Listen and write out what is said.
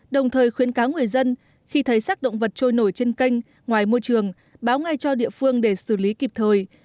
đồng thời khuyến cáo người dân khi thấy xác động vật trôi nổi trên kênh ngoài môi trường báo ngay cho địa phương để xử lý kịp thời